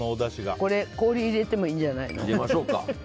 氷入れてもいいんじゃないの。